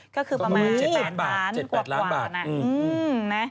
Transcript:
ก็คือประมาณ๗๘ล้านบาทกว่านะอืมนะก็คือประมาณ๗๘ล้านบาท